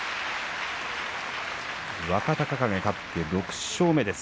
若隆景が勝って６勝目です。